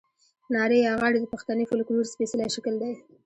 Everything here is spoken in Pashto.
نارې یا غاړې د پښتني فوکلور سپېڅلی شکل دی.